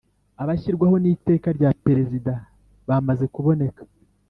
abashyirwaho n Iteka rya Perezida bamaze kuboneka